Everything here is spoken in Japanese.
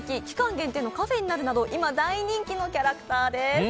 限定カフェになるなど今、大人気のキャラクターです。